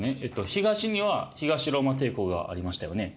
東には東ローマ帝国がありましたよね。